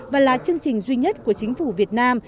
và là chương trình duy nhất của chính phủ việt nam